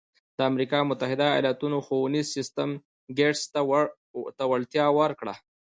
د امریکا متحده ایالتونو ښوونیز سیستم ګېټس ته وړتیا ورکړه.